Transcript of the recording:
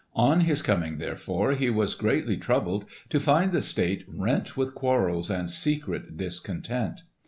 On his coming, therefore, he was greatly troubled to find the state rent with quarrels and secret discontent.